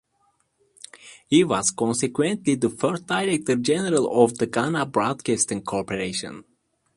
He was consequently the first Director General of the Ghana Broadcasting Corporation.